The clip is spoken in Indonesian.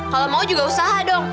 kalau mau juga usaha dong